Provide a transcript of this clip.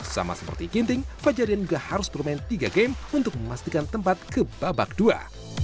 sama seperti ginting fajarin juga harus bermain tiga game untuk memastikan tempat ke babak dua